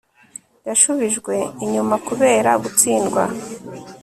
yashubijwe inyuma kubera gutsindwa